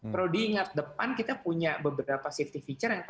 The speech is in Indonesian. perlu diingat depan kita punya beberapa safety feature